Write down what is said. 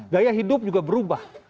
gaya hidup juga berubah